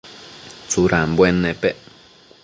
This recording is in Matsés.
Tsudambuen nepec ?